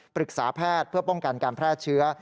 ปรึกษาแพทย์เพื่อป้องกันการแพร่เชื้อ